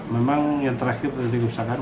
memang yang terakhir terjadi kerusakan